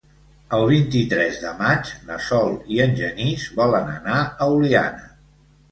El vint-i-tres de maig na Sol i en Genís volen anar a Oliana.